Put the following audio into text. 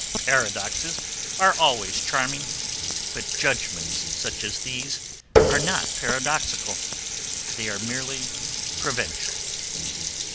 Paradoxes are always charming, but judgments such as these are not paradoxical; they are merely provincial.